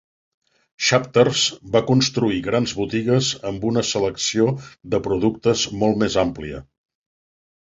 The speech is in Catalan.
Chapters va construir grans botigues amb una selecció de productes molt més àmplia.